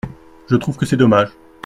Je trouve que c’est dommage.